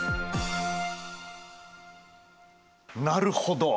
なるほど。